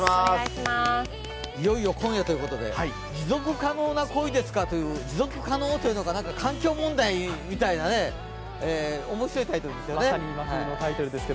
いよいよ今夜ということで「持続可能な恋ですか？」っていうのが持続可能というのが環境問題みたいな、面白いタイトルですね。